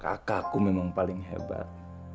kakakku memang paling hebat